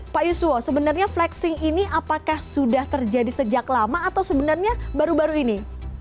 pak yuswo sebenarnya flexing ini apakah sudah terjadi sejak lama atau sebenarnya baru baru ini